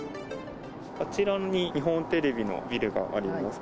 あちらに日本テレビのビルがあります。